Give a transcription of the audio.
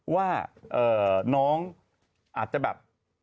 ว่าน้องอาจจะแบบ